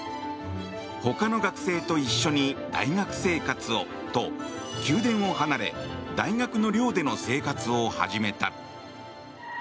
他の学生と一緒に大学生活をと宮殿を離れ大学の寮での生活を始めた。